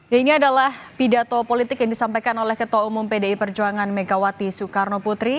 ya ini adalah pidato politik yang disampaikan oleh ketua umum pdi perjuangan megawati soekarno putri